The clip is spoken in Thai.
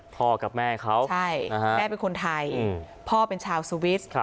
พ่อกับแม่เขาแม่เป็นคนไทยพ่อเป็นชาวสวิส